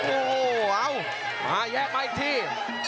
โอ้โหเอามาแยกมาอีกที